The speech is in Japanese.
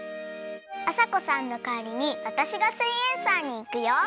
あさこさんのかわりにわたしが「すイエんサー」にいくよ！